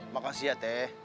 makasih ya teteh